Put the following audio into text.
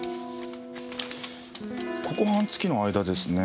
ここ半月の間ですね。